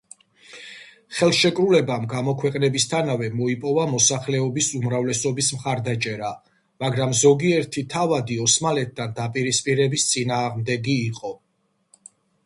ხელშეკრულებამ გამოქვეყნებისთანავე მოიპოვა მოსახლეობის უმრავლესობის მხარდაჭერა, მაგრამ ზოგიერთი თავადი ოსმალეთთან დაპირისპირების წინააღმდეგი იყო.